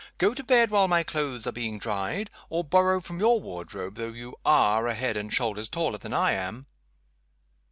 Go to bed while my clothes are being dried? or borrow from your wardrobe though you are a head and shoulders taller than I am?"